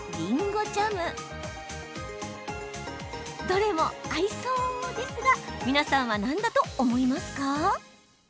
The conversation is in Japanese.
どれも合いそうですが皆さんは何だと思いますか？